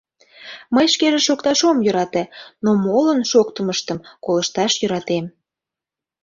Мый шкеже шокташ ом йӧрате... но молын шоктымыштым колышташ йӧратем.